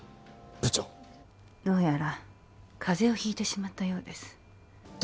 部長どうやら風邪をひいてしまったようですだ